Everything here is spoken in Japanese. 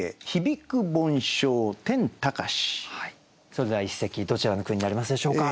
それでは一席どちらの句になりますでしょうか？